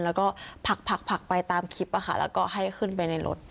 แล้วก็ผักไปตามคลิปแล้วก็ให้ขึ้นไปในรถ